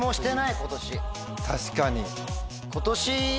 確かに。